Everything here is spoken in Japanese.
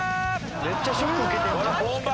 めっちゃショック受けてる。